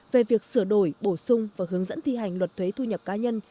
về việc sửa đổi bổ sung và hướng dẫn thi hành luật thuế thu nhập cá nhân